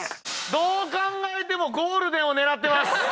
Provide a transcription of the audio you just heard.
どう考えてもゴールデンを狙ってます。